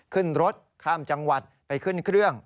ขึ้นรถข้ามจังหวัดไปขึ้นเครื่อง